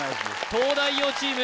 東大王チーム